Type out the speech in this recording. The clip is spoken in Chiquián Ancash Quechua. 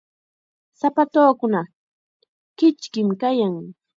Sapatuukunaqa kichkim kayan.